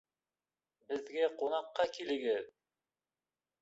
Беҙгә ҡунаҡҡа килегеҙ!